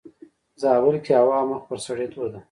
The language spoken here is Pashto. زابل کې هوا مخ پر سړيدو ده.